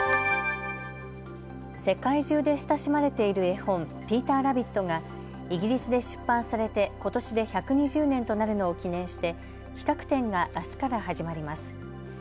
世界中で親しまれている絵本、ピーターラビットがイギリスで出版されてことしで１２０年となるのを記念して企画展があすから始まります。